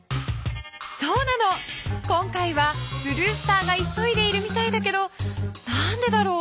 そうなの今回はブルースターが急いでいるみたいだけど何でだろう？